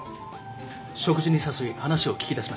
食事に誘い話を聞き出しました。